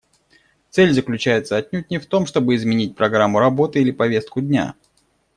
Цель заключается отнюдь не в том, чтобы изменить программу работы или повестку дня.